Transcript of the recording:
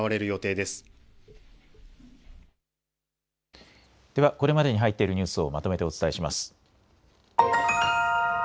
では、これまでに入っているニュースをまとめてお伝えします。